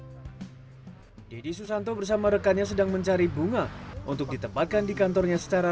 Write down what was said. hai jadi susanto bersama rekannya sedang mencari bunga untuk ditempatkan di kantornya secara